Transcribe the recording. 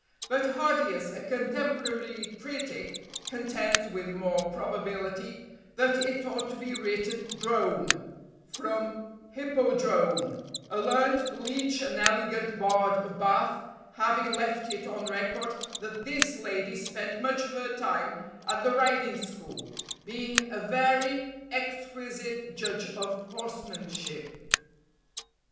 But Hardius, a contemporary critic, contends, with more probability, that it ought to be written Drome, from hippodrome; a learned leech and elegant bard of Bath having left it on record that this lady spent much of her time at the riding school, being a very exquisite judge of horsemanship.